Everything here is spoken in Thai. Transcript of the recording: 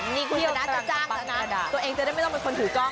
นี่คุณพี่จะจ้างนะตัวเองจะได้ไม่ต้องเป็นคนถือกล้อง